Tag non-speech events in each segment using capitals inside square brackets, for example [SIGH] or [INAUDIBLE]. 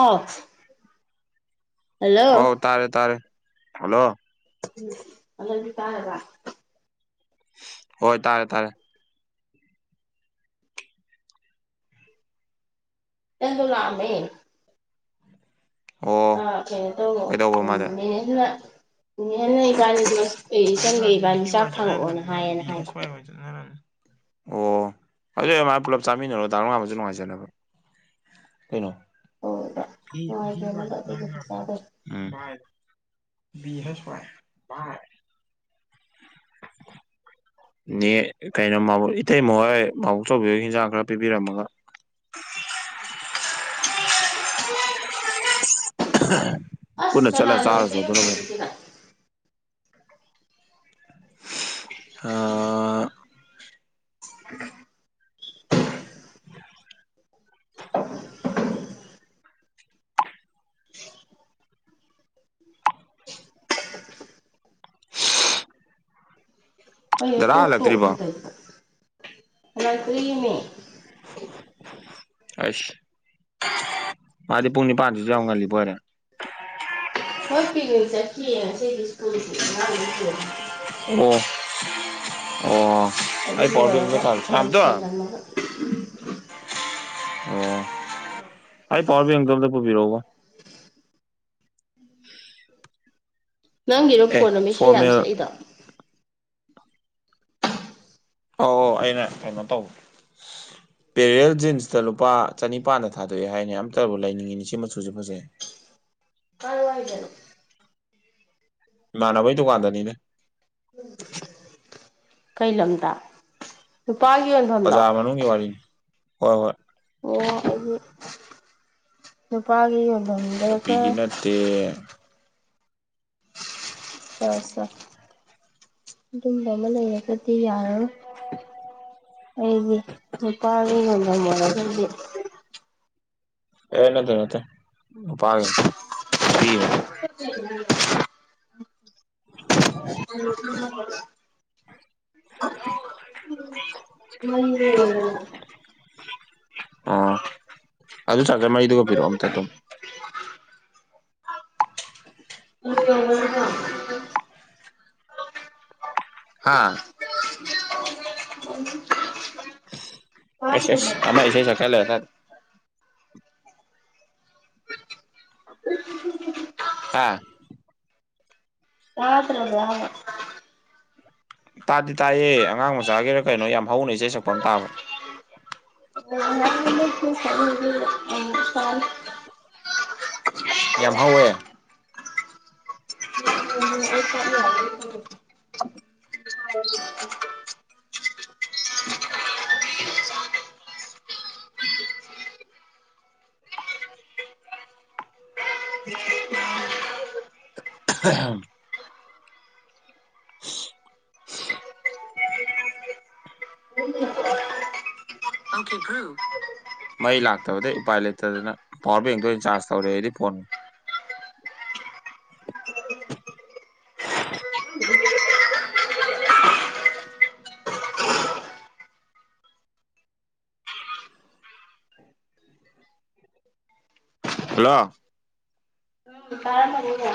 ꯑꯣ ꯑꯧ ꯇꯥꯔꯦ ꯇꯥꯔꯦ ꯍꯜꯂꯣ ꯎꯝ ꯑꯃꯁꯤ ꯇꯥꯔꯕ ꯍꯣꯏ ꯇꯥꯔꯦ ꯇꯥꯔꯦ ꯏꯆꯟꯗꯣ ꯂꯥꯛ ꯑꯝꯃꯦ ꯑꯣ ꯑꯥ ꯀꯩꯅꯣꯇꯧꯑꯣ ꯀꯩꯗꯧꯕ ꯎꯝ ꯃꯥꯗꯤ ꯅꯦꯅꯦꯗꯨꯅ ꯅꯦꯅꯦꯅ ꯏꯕꯅꯤꯗꯣ ꯍꯧꯖꯤꯛꯀꯥꯟꯗꯤ ꯚꯤ ꯋꯥꯏ ꯆꯠꯅꯗ꯭ꯔꯕꯅꯤꯅ ꯍꯥꯏꯌꯦꯅ ꯚꯤ ꯍꯥꯏꯕ ꯍꯩꯁ ꯋꯥꯏ ꯑꯣꯏꯅ ꯆꯠꯅꯔꯕꯅꯤ ꯑꯣ ꯑꯗꯨ ꯃꯥꯥꯏ ꯄꯨꯂꯞ ꯆꯥꯃꯤꯟꯅꯔꯣ ꯗꯥ ꯂꯝꯉꯥꯟꯕꯁꯨ ꯅꯨꯡꯉꯥꯏꯖꯅꯕ ꯀꯩꯅꯣ ꯑꯗꯨꯗ ꯚꯤ ꯚꯤ ꯋꯥꯏ ꯅꯨꯡꯉꯥꯏꯇꯦꯅꯕ ꯑꯗꯨꯕꯨꯗꯤ ꯆꯠꯅꯒ꯭ꯔꯝꯅꯤ ꯆꯥꯗꯦ ꯃꯥꯏ ꯎꯝ ꯕꯤ ꯑꯩꯁ ꯋꯏ ꯚꯥꯏ ꯅꯦ ꯀꯩꯅꯣ ꯏꯇꯩꯃꯣꯏ ꯃꯥꯕꯣꯛꯆꯧꯕꯤ ꯍꯣꯏ ꯏꯟꯁꯥꯡ ꯈꯥꯔ ꯄꯤꯕꯤꯔꯝꯃꯒ ꯑꯁ ꯄꯨꯟꯅ ꯆꯠꯂ ꯀꯅꯥꯅꯣ ꯆꯥꯔꯨꯆꯣ ꯃꯩꯇꯩ ꯑꯗꯨꯅꯕꯨ ꯍꯦꯟ ꯃꯆꯜꯁꯤꯅ ꯑꯥ [INAUDIBLE] [INAUDIBLE] [INAUDIBLE] [INAUDIBLE] ꯀꯩꯅꯣ ꯗꯗꯥ ꯇꯣꯀ ꯍꯜꯂꯛꯇ꯭ꯔꯤꯕꯣ ꯇꯣꯀ ꯇꯧꯏꯗꯣꯕꯣ ꯑꯁ ꯃꯥꯗꯤ ꯄꯨꯡ ꯅꯤꯄꯥꯟ ꯁꯤꯁꯨ ꯌꯥꯝ ꯉꯟꯂꯤꯕꯣꯏꯔꯦ ꯃꯣꯏ ꯄꯤꯛꯅꯤꯛ ꯆꯠꯈꯤꯌꯦ ꯉꯥꯁꯤꯗꯤ ꯁꯀꯨꯜ ꯒꯤ ꯑꯉꯥꯡ ꯒꯩ ꯄꯨꯔꯒ ꯑꯣ ꯑꯣ ꯑꯗꯨ ꯑꯩ ꯄꯥꯋ꯭ꯔ ꯕꯦꯡ ꯇꯣ ꯂꯣꯏꯔꯒ ꯄꯥꯝ ꯃꯥꯝꯇꯣꯟ ꯂꯣꯏꯁꯤꯜꯂꯝꯃꯒ ꯑꯣ ꯑꯩ ꯄꯋꯔ ꯕꯦꯡꯀ ꯇꯣ ꯑꯃꯇ ꯄꯨꯕꯤꯔꯛ ꯎꯕꯥ ꯅꯪꯒꯤꯔꯣ ꯑꯦ ꯐꯣꯟ ꯑꯃꯥ ꯏꯁꯩ ꯌꯥꯝ ꯐꯣꯔꯃꯦꯜ ꯁꯛꯏꯗꯣ ꯑꯣ ꯑꯣ ꯑꯩꯅ ꯀꯩꯅꯣ ꯇꯧꯕ [INAUDIBLE] ꯄꯦꯔꯦꯔꯦꯜ ꯖꯤꯟꯁꯇ ꯂꯨꯄꯥ ꯆꯅꯤꯄꯥꯥꯟꯗ ꯊꯥꯗꯣꯛꯑꯦ ꯍꯥꯏꯅꯦ ꯑꯝꯇꯕꯨ ꯂꯩꯅꯤꯡꯉꯤꯅꯤ ꯁꯤ ꯃꯆꯨꯁꯦ ꯐꯖꯩ [UNINTELLIGIBLE] ꯏꯃꯥꯟꯅꯕꯩ ꯗꯨꯀꯟꯗꯅꯤꯅꯦ ꯀꯩ ꯂꯝꯗ ꯅꯨꯄꯥꯒꯤ ꯌꯣꯟꯐꯝꯂꯣ ꯕꯖꯥꯔ ꯃꯅꯨꯡꯒꯤ ꯋꯥꯔꯤꯅꯤ ꯍꯣꯏ ꯍꯣꯏ ꯑꯣ ꯑꯗꯨ ꯅꯨꯄꯥꯒꯤ ꯅꯨꯄꯤꯒꯤ [UNINTELLIGIBLE] ꯅꯠꯇꯦ ꯆꯥꯎ ꯆꯥꯎ ꯑꯗꯨꯝꯕ ꯑꯃ ꯂꯩꯔꯒ ꯗꯤ ꯌꯥꯔꯣꯏ ꯑꯩꯒꯤ ꯅꯨꯄꯥꯒꯤ ꯌꯣꯟꯐꯝ ꯅꯦꯕ ꯑꯗꯨꯗꯤ ꯑꯦ ꯅꯠꯇꯦ ꯅꯠꯇꯦ ꯅꯨꯄꯥꯒꯤꯅꯤ ꯅꯨꯄꯤꯒꯤ ꯅꯠꯇꯦ [UNINTELLIGIBLE] [UNINTELLIGIBLE] [UNINTELLIGIBLE] [UNINTELLIGIBLE] ꯑꯣ ꯑꯗꯨ ꯆꯥꯔꯖꯔ ꯃꯔꯤꯗꯨꯒ ꯄꯤꯔꯛꯑꯣ ꯑꯝꯇ ꯇꯨꯝ ꯍꯥꯥ ꯑꯩꯁ ꯑꯩꯁ ꯑꯃꯥ ꯏꯁꯩ ꯁꯛꯆꯟꯂꯛ ꯑꯦ ꯑꯗꯥꯏꯗ ꯍꯥꯥ [UNINTELLIGIBLE] ꯇꯥꯗꯤ ꯇꯥꯏꯌꯦ ꯑꯉꯥꯡ ꯃꯆꯥꯒꯤꯔ ꯀꯩꯅꯣ ꯌꯥꯝ ꯍꯧꯅ ꯏꯁꯩ ꯁꯛꯄ ꯑꯃ ꯇꯥꯕ [INAUDIBLE] ꯑꯣꯏꯔꯒꯗꯤ ꯌꯥꯝ ꯍꯧꯋꯦ [UNINTELLIGIBLE] [UNINTELLIGIBLE] ꯑꯣꯈꯦ ꯕꯔꯨ ꯃꯩ ꯂꯥꯛꯇꯕꯗꯩ ꯎꯄꯥꯏ ꯂꯩꯇꯗꯅ ꯄꯥꯋꯥꯔ ꯕꯦꯡꯇ ꯑꯣꯏꯅ ꯆꯥꯔꯖ ꯇꯧꯔꯦ ꯑꯩꯗꯤ ꯐꯣꯟ [UNINTELLIGIBLE] [INAUDIBLE] ꯍꯜꯂꯣ ꯇꯥꯔꯝꯃꯅꯤꯅꯦ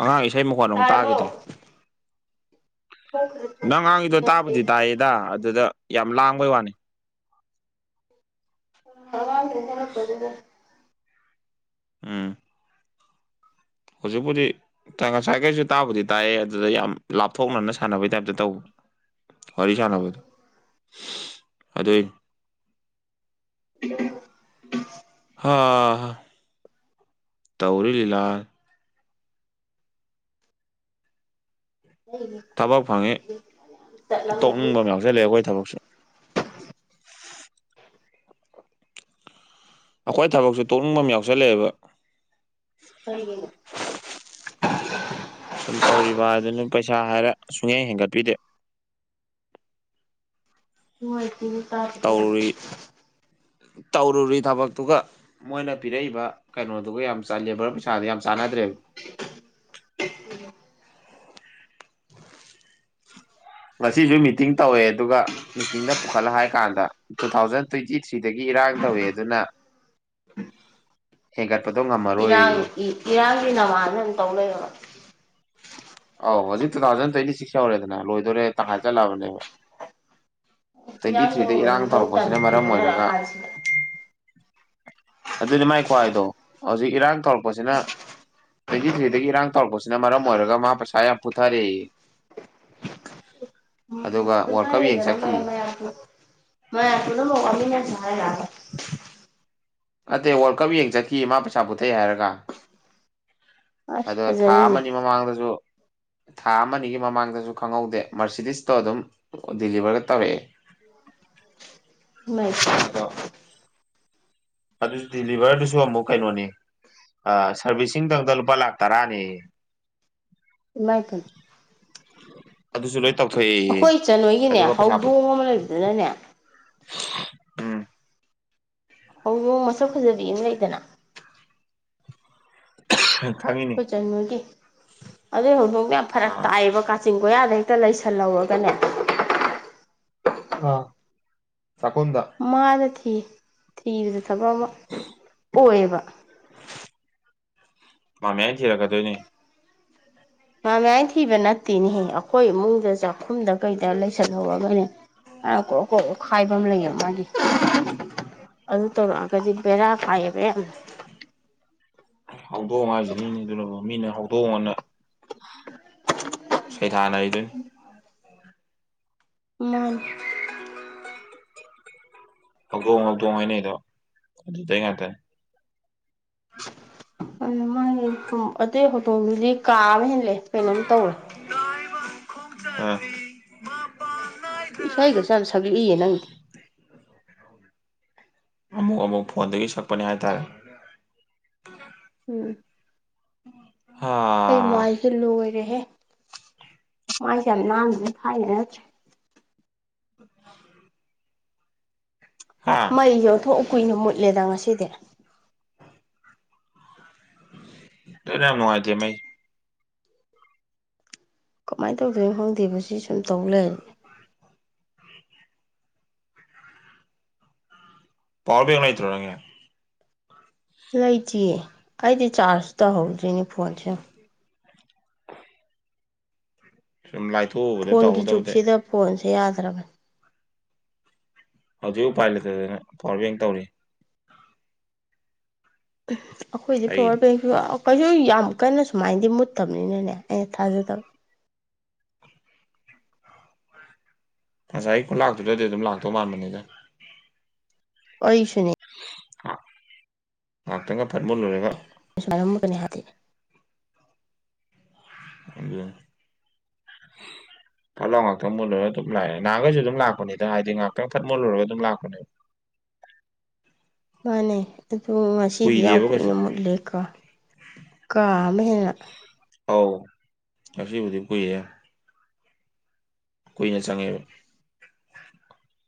ꯑꯉꯥꯡ ꯏꯁꯩ ꯃꯈꯣꯟ ꯑꯃꯨꯛ ꯇꯥꯔꯕꯣ ꯇꯥꯈꯤꯗ꯭ꯔꯦ ꯅꯪ ꯉꯥꯡꯉꯤꯗꯣ ꯑꯉꯥꯡꯗꯨ ꯇꯥꯕꯨꯗꯤ ꯇꯥꯏꯌꯦꯗ ꯑꯗꯨꯗ ꯌꯥꯝ ꯂꯥꯡꯕꯩ ꯋꯥꯅꯤ ꯍꯧꯒꯠꯂꯛꯄꯗꯨꯗ ꯎꯝ ꯍꯧꯖꯤꯛꯄꯨꯗꯤ ꯉꯁꯥꯏ ꯒꯩꯁꯨ ꯇꯥꯕꯨꯗꯤ ꯇꯥꯏꯑꯦ ꯑꯗꯨꯗ ꯌꯥꯝ ꯂꯥꯞꯊꯣꯛꯅꯅ ꯁꯥꯟꯅꯕꯩ ꯇꯥꯏꯞꯇ ꯇꯧꯕ ꯋꯥꯔꯤꯁꯥꯟꯅꯕꯗꯨ ꯑꯗꯨꯏꯅꯤ ꯍꯥ ꯍꯥ ꯇꯧꯔꯤ ꯂꯤꯂꯥ ꯁꯦ [UNINTELLIGIBLE] ꯊꯕꯛ ꯐꯪꯉꯤ ꯆꯠꯂꯝ ꯃꯥꯅꯤ ꯆꯠꯂꯦ ꯑꯩꯈꯣꯏ ꯊꯕꯛꯁꯨ ꯑꯩꯈꯣꯏ ꯊꯕꯛꯁꯦ ꯇꯣꯛꯅꯤꯡꯕ ꯑꯃ ꯌꯥꯎꯁꯜꯂꯛꯑꯦꯕ ꯀꯔꯤꯒꯤꯅꯣ ꯁꯨꯝ ꯇꯧꯔꯤꯕ ꯍꯥꯏꯗꯨꯅꯤ ꯄꯩꯁꯥ ꯍꯥꯏꯔꯦ ꯁꯨꯛꯍꯦꯟ ꯍꯦꯟꯒꯠꯄꯤꯗꯦ ꯇꯧꯔꯨꯔꯤ [UNINTELLIGIBLE] [INAUDIBLE] ꯇꯧꯔꯨꯔꯤ ꯊꯕꯛꯇꯨꯒ ꯃꯣꯏꯅ ꯄꯤꯔꯛꯏꯕ ꯀꯩꯅꯣꯗꯨꯒ ꯌꯥꯝ ꯂꯦꯕꯔ ꯄꯩꯁꯥꯗꯨ ꯌꯥꯝ ꯆꯥꯟꯅꯗ꯭ꯔꯦꯕ [INAUDIBLE] [INAUDIBLE] ꯉꯁꯤꯁꯨ ꯃꯤꯇꯤꯡ ꯇꯧꯋꯦ ꯑꯗꯨꯒ ꯃꯤꯇꯤꯡꯗ ꯄꯨꯈꯠꯂ ꯍꯥꯏ ꯀꯥꯟꯗ ꯇꯨ ꯊꯥꯎꯖꯟ ꯇ꯭ꯋꯦꯟꯇꯤ ꯊ꯭ꯔꯤꯗꯒꯤ ꯏꯔꯥꯡ ꯇꯧꯑꯦ ꯑꯗꯨꯅ [INAUDIBLE] ꯍꯦꯡꯒꯠ ꯏꯔꯥꯡ ꯏꯔꯥꯡꯒꯤ ꯅꯃꯥꯗ ꯑꯗꯨꯝ ꯇꯧ ꯂꯩꯔꯕ ꯑꯧ ꯍꯧꯖꯤꯛ ꯇꯨ ꯊꯥꯎꯖꯟ ꯇ꯭ꯋꯦꯟꯇꯤ ꯁꯤꯛꯁ ꯌꯧꯔꯦꯗꯅ ꯂꯣꯏꯗꯣꯔꯦ ꯇꯪꯈꯥꯏ ꯆꯜꯂꯛꯑꯕꯅꯦꯕ ꯇ꯭ꯋꯦꯟꯇꯤ ꯏꯔꯥꯡ ꯊ꯭ꯔꯤꯗꯩ ꯇꯧꯔꯨꯕ ꯏꯔꯥꯡ ꯃꯤꯐꯧ ꯇꯟ ꯇꯧꯔꯛꯄꯁꯤꯅ ꯃꯔꯝ ꯇꯣꯡꯅꯔ ꯑꯣꯏꯔꯒ ꯀꯥꯟꯁꯤꯗ ꯑꯗꯨꯗꯤ ꯃꯥꯏ ꯈꯨꯍꯥꯏꯗꯣ ꯍꯧꯖꯤꯛ ꯏꯔꯥꯡ ꯇꯧꯔꯛꯄꯁꯤꯅ ꯇ꯭ꯋꯦꯟꯇꯤ ꯊ꯭ꯔꯤꯗꯒꯤ ꯏꯔꯥꯡ ꯇꯧꯔꯛꯄꯁꯤꯅ ꯃꯔꯝ ꯑꯣꯏꯔꯒ ꯃꯥ ꯄꯩꯁꯥ ꯌꯥꯝ ꯄꯨꯊꯔꯦꯌꯦ ꯑꯝ ꯄꯨꯊꯥꯔꯦꯗꯅ ꯆꯠꯈꯤ ꯃꯌꯥꯝ ꯄꯨꯟ ꯃꯌꯥꯝ ꯄꯨꯟꯅꯃꯛ ꯋꯥꯃꯤꯟꯅꯔꯁꯦ ꯍꯥꯏꯔꯕ ꯅꯠꯇꯦ ꯋꯥꯔꯜ ꯀꯞ ꯌꯦꯡ ꯆꯠꯈꯤꯌꯦ ꯃꯥ ꯄꯩꯁꯥ ꯄꯨꯊꯩ ꯍꯥꯏꯔꯒ ꯑꯁ ꯑꯗꯣ ꯊꯥ ꯐꯖꯔꯤꯅꯦ ꯑꯃꯅꯤ ꯃꯃꯥꯡꯗꯁꯨ [INAUDIBLE] ꯊꯥ ꯑꯃꯅꯤꯒꯤ ꯃꯃꯥꯡꯗꯁꯨ ꯈꯪꯍꯧꯗꯦ ꯃꯔꯁꯤꯗꯤꯁꯇꯣ ꯑꯗꯨꯝ ꯗꯤꯂꯤꯚꯔꯒ ꯇꯧꯔꯛꯑꯦ [UNINTELLIGIBLE] ꯑꯗꯨ ꯗꯤꯂꯤꯚꯔꯗꯨꯁꯨ ꯑꯃꯨꯛ ꯀꯩꯅꯣꯅꯦ ꯑ ꯁꯔꯕꯤꯁꯤꯡꯗꯪꯗ ꯂꯨꯄꯥ ꯂꯥꯛ ꯇꯔꯥꯅꯦꯌꯦ ꯏꯃꯥꯏꯄꯦꯝꯃ ꯑꯗꯨꯁꯨ ꯂꯣꯏ ꯇꯧꯊꯣꯛꯑꯦꯌꯦ ꯑꯩꯈꯣꯏ ꯏꯆꯟꯍꯣꯏꯒꯤꯅꯦ ꯑꯗꯨꯒ ꯄꯩꯁꯥ ꯎꯝ ꯍꯧꯗꯣꯡ ꯑꯃ ꯂꯩꯕꯗꯨꯅꯅꯦ ꯃꯁꯛ ꯐꯖꯕꯤ ꯑꯃ ꯂꯩꯗꯅ [UNINTELLIGIBLE] ꯑꯈꯣꯏ ꯏꯆꯟꯍꯣꯏꯒꯤ ꯑꯗꯨꯏ ꯍꯧꯗꯣꯡ ꯗꯣ ꯌꯥꯝ ꯐꯔꯛ ꯑꯥ ꯇꯥꯏꯌꯦꯕ ꯀꯥꯆꯤꯟ ꯆꯤꯡ ꯀꯣꯌꯥꯗꯩ ꯍꯦꯛꯇ ꯂꯩꯁꯜꯍꯧꯔꯒꯅꯦ ꯑꯥ ꯆꯥꯛꯈꯨꯝꯗ ꯃꯥꯗꯤ ꯊꯤ ꯊꯤꯕꯗ ꯊꯕꯛ ꯑꯃ ꯑꯣꯏꯌꯦꯕ ꯃꯥꯝꯃꯥꯌꯥꯏ ꯊꯤꯔꯛꯀꯗꯣꯏꯅꯦ ꯃꯥꯝꯃꯥꯌꯥꯏ ꯊꯤꯕ ꯅꯠꯇꯦꯅꯦꯍ ꯑꯩꯈꯣꯏ ꯏꯃꯨꯡꯗ ꯆꯥꯛꯈꯨꯝꯗ ꯀꯩꯗ ꯂꯩꯁꯜꯍꯧꯔꯒꯅꯦ ꯀꯔꯣꯛ ꯀꯔꯣꯛ ꯑꯣꯛꯈꯥꯏꯕ ꯑꯃ ꯂꯩꯌꯦ ꯃꯥꯒꯤ ꯑꯗꯨ ꯇꯧꯔꯛꯑꯒꯗꯤ ꯕꯦꯔꯥ ꯀꯥꯏꯌꯦꯕ ꯌꯥꯝꯅ ꯍꯧꯗꯣꯡ ꯍꯥꯏꯁꯤꯅꯤꯅꯦ ꯑꯗꯨꯅꯕꯨ ꯃꯤꯅ ꯍꯧꯗꯣꯡ ꯑꯅ ꯁꯩꯊꯥꯅꯔꯤꯗꯨꯅꯤ ꯃꯥꯟꯅꯦ ꯍꯧꯗꯣꯡ ꯍꯧꯗꯣꯡ ꯍꯦꯏꯅꯩꯗꯣ ꯑꯗꯨꯗꯩ ꯉꯥꯛꯇꯅꯦ [UNINTELLIGIBLE] ꯑꯇꯩ ꯍꯧꯗꯣꯡꯗꯒꯤ ꯀꯥ ꯑꯃ ꯍꯦꯜꯂꯦ ꯀꯩꯅꯣꯝ ꯇꯧꯔꯦ ꯇꯥꯏꯕꯪ ꯈꯣꯡꯆꯠꯅꯤ ꯃꯄꯥꯟ ꯅꯥ ꯏꯁꯩꯒꯁꯨ ꯁꯛꯂꯛꯏꯌꯦ ꯅꯪꯗꯤ ꯑꯃꯨꯛ ꯑꯃꯨꯛ ꯐꯣꯟꯗꯒꯤ ꯁꯛꯄꯅꯦ ꯍꯥꯏꯇꯥꯔꯦ ꯎꯝ ꯍꯥ ꯑꯩ ꯃꯥꯏꯁꯦ ꯂꯣꯏꯔꯦ ꯗ꯭ꯔꯦꯍꯦ ꯃꯥꯏꯁꯦ ꯌꯥꯝ ꯅꯥꯟꯗ꯭ꯔꯦ ꯊꯥꯏꯅ ꯅꯠꯇ꯭ꯔꯦ [INAUDIBLE] ꯍꯥ ꯃꯩꯁꯨ ꯑꯣꯟꯊꯣꯛ ꯀꯨꯏꯅ ꯃꯨꯠꯂꯦꯗ ꯉꯁꯤꯗꯤ ꯑꯗꯨꯅꯦ ꯌꯥꯝ ꯅꯨꯡꯉꯥꯏꯇꯦ ꯃꯩ ꯀꯃꯥꯏꯅ ꯇꯧꯗꯣꯏꯅꯣ ꯈꯪꯗꯦꯕ ꯁꯤ ꯁꯨꯝ ꯇꯧ ꯂꯩ ꯄꯥꯎꯋꯔꯕꯦꯡ ꯂꯩꯇꯔꯣ ꯅꯪꯒꯤ ꯂꯩꯇꯤꯌꯦ ꯑꯩꯗꯤ ꯆꯥꯔꯖ ꯇꯧꯍꯧꯗ꯭ꯔꯤꯅꯦ ꯐꯣꯟꯁꯦ ꯌꯦꯡꯉꯣ [INAUDIBLE] ꯁꯨꯝ ꯂꯥꯏꯊꯣꯛꯎꯕꯗ ꯐꯣꯟꯒꯤ ꯇꯧꯍꯧꯗꯕꯗꯩ ꯖꯨꯛꯁꯤꯗ ꯐꯣꯟꯁꯦ ꯌꯥꯗ꯭ꯔꯕꯅꯤ ꯍꯧꯖꯤꯛ ꯎꯄꯥꯏ ꯂꯩꯇꯗꯅ ꯄꯋꯔꯕꯦꯡ ꯇꯧꯔꯤ ꯑꯩꯈꯣꯏꯗꯤ ꯑꯩꯒꯤꯗꯤ ꯄꯋꯔ ꯕꯦꯡꯁꯨ ꯑꯥ ꯀꯩꯁꯨ ꯌꯥꯝ ꯀꯟꯅ ꯁꯨꯃꯥꯏꯅꯗꯤ ꯃꯨꯠꯇꯝꯅꯤꯅꯅꯦ ꯑꯩꯅ ꯊꯥꯖꯗꯕ ꯉꯁꯥꯏ ꯈꯨꯂꯥꯛꯇꯨꯗꯗꯤ ꯑꯗꯨꯝ ꯂꯥꯛꯇꯧ ꯃꯥꯟꯕꯅꯤꯗ ꯑꯩꯁꯨꯅꯤ ꯉꯍꯥꯛꯇꯪꯒ ꯐꯠ ꯃꯨꯠꯂꯨꯔꯒ ꯁꯃꯥꯏꯅ ꯃꯨꯠꯅꯤ ꯍꯥꯏꯔꯗꯤ [UNINTELLIGIBLE] [INAUDIBLE] ꯐꯠꯂꯥꯎ ꯉꯥꯛꯇꯪ ꯃꯨꯠꯂꯨꯔꯒ ꯑꯗꯨꯝ ꯂꯥꯛꯑꯦ ꯅꯍꯥꯟꯈꯩꯁꯨ ꯑꯗꯨꯝ ꯂꯥꯛꯄꯅꯤꯗ ꯍꯥꯏꯗꯤ ꯉꯥꯛꯇꯪ ꯐꯠ ꯃꯨꯜꯂꯨꯔꯒ ꯑꯗꯨꯝ ꯂꯥꯛꯄꯅꯦ ꯃꯥꯅꯦ ꯑꯗꯨ ꯉꯁꯤꯗꯤ ꯌꯥꯝ ꯀꯨꯏꯗꯦꯕ ꯀꯩꯁꯨ ꯀꯨꯏꯅ ꯃꯨꯠꯂꯦꯀꯣ ꯀꯥ ꯑꯃ ꯍꯦꯟꯅ ꯑꯧ ꯉꯁꯤꯕꯨꯗꯤ ꯀꯨꯏꯌꯦ ꯀꯨꯏꯅ ꯆꯪꯉꯦ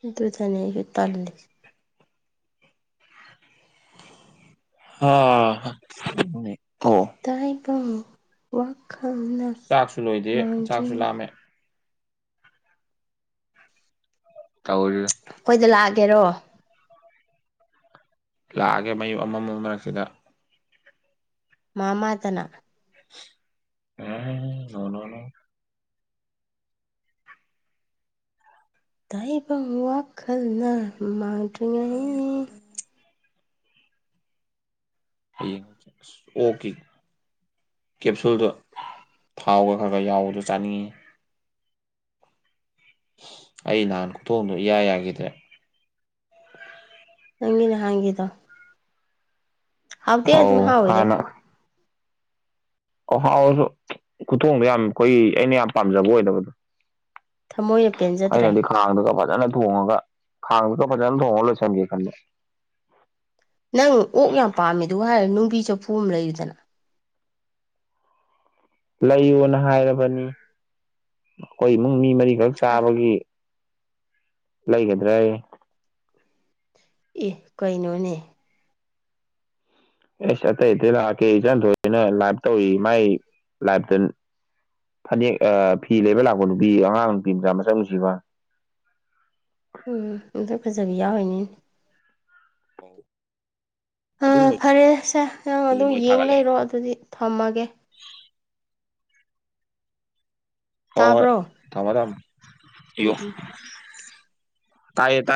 ꯑꯗꯨꯗꯅꯦ ꯑꯩꯅ ꯇꯜꯂꯤꯁꯦ ꯍꯥ ꯍꯥ ꯇꯥꯏꯕꯪ ꯋꯥꯈꯜꯅ ꯆꯥꯛꯁꯨ ꯂꯣꯏꯗꯦ ꯆꯥꯛꯁꯨ ꯃꯥꯡꯗ꯭ꯔꯤꯉꯩ ꯂꯥꯝꯃꯦ ꯇꯧꯔꯤꯔ ꯍꯦꯔꯣ ꯂꯥꯛꯑꯒꯦ ꯃꯩ ꯑꯃꯝꯕ ꯃꯔꯛꯁꯤꯗ ꯃꯥ ꯃꯥꯗꯅ ꯎꯝ ꯅꯣ ꯅꯣ ꯅꯣ ꯇꯥꯏꯕꯪ ꯋꯥꯈꯜꯅ ꯃꯥꯡꯗ꯭ꯔꯤꯉꯩ ꯑꯌꯨ ꯑꯁ ꯑꯣꯛꯀꯤ ꯀꯦꯞꯁꯨꯜꯗꯣ ꯊꯥꯎꯒ ꯈꯒ ꯌꯥꯎꯕꯗꯣ ꯆꯥꯅꯤꯡꯉꯦ ꯑꯩ ꯅꯍꯥꯟ ꯈꯨꯊꯣꯛꯗꯣ ꯏꯌꯥ ꯌꯥꯒꯤꯗ꯭ꯔꯦ ꯅꯪꯒꯤ ꯅꯍꯥꯟꯒꯤꯗꯣ ꯍꯥꯎꯗꯤ ꯑꯗꯨꯝ ꯑꯧ ꯍꯥꯥꯎꯋꯤꯗ ꯑꯧ ꯍꯥꯎꯔꯁꯨ ꯈꯨꯊꯣꯡꯗ ꯌꯥꯝ ꯈꯣꯏꯒꯤ ꯑꯩꯅ ꯌꯥꯝ ꯄꯥꯝꯖꯕ ꯑꯣꯏꯗꯕꯗꯣ ꯊꯃꯣꯏꯅ ꯄꯦꯟꯖꯗ꯭ꯔꯦ ꯑꯩꯅꯗꯤ ꯈꯥꯡꯗꯒ ꯐꯖꯟꯅ ꯊꯣꯡꯉꯒ ꯈꯥꯡꯗꯣ ꯐꯖꯟ ꯊꯣꯡꯉ ꯂꯣꯏꯁꯟꯒꯦ ꯈꯟꯕ ꯅꯪ ꯑꯣꯛ ꯌꯥꯝ ꯄꯥꯝꯃꯤꯗꯨꯒ ꯍꯥꯏꯔ ꯅꯨꯡꯕꯤ ꯆꯥꯐꯨ ꯑꯃ ꯂꯩꯌꯨꯗꯅ ꯂꯩꯌꯣꯅ ꯍꯥꯏꯔꯕꯅꯤ ꯑꯩꯈꯣꯏ ꯏꯃꯨꯡ ꯃꯤ ꯃꯔꯤꯈꯛ ꯍꯥꯏ ꯆꯥꯕꯒꯤ ꯂꯩꯒꯗ꯭ꯔꯌꯦ ꯑꯦ ꯀꯩꯅꯣꯅꯦ ꯑꯦꯁ ꯑꯇꯩ ꯑꯇꯩ ꯔꯥꯀꯦ ꯏꯆꯟꯊꯣꯏꯅ ꯂꯥꯏꯚ ꯇꯧꯔꯤ ꯃꯥꯏ ꯂꯥꯏꯚꯇ ꯐꯅꯦꯛ ꯑꯥ ꯐꯤ ꯂꯩꯕ ꯂꯥꯛꯄ ꯅꯨꯄꯤ ꯑꯉꯥꯡ ꯅꯨꯄꯤ ꯃꯆꯥ ꯃꯁꯛ ꯅꯨꯡꯁꯤꯕ [UNINTELLIGIBLE] ꯐꯖꯕꯤ ꯌꯥꯎꯔꯤꯅꯤꯅꯦ ꯑꯥ ꯑꯗꯨꯒꯨꯝꯕꯁꯨ ꯐꯔꯦꯁꯦ ꯅꯪ ꯑꯗꯨ ꯃꯣꯏ ꯌꯦꯡ ꯊꯥꯒꯠꯂꯛꯑꯦ ꯂꯩꯔꯣ ꯑꯗꯨꯗꯤ ꯊꯝꯃꯒꯦ ꯍꯣ ꯍꯣꯏ ꯇꯥꯕ꯭ꯔꯣ ꯊꯝꯃꯣ ꯊꯝꯃꯣ ꯎꯝ ꯑꯌꯣ ꯎꯝ ꯇꯥꯏꯌꯦ ꯇꯥꯏ